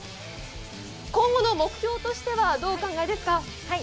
今後の目標としてはどうお考えですか？